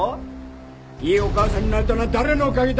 いいお母さんになれたのは誰のおかげだ？